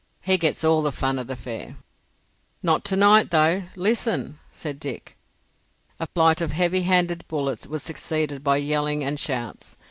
He gets all the fun of the fair." "Not to night though! Listen!" said Dick. A flight of heavy handed bullets was succeeded by yelling and shouts.